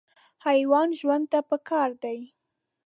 حیوان ژوند ته پکار دی.